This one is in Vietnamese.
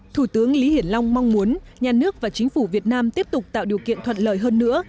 thủ tướng lý hiển long mong muốn nhà nước và chính phủ việt nam tiếp tục tạo điều kiện thuận lợi hơn nữa